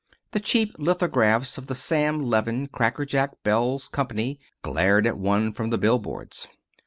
The cheap lithographs of the Sam Levin Crackerjack Belles Company glared at one from the bill boards.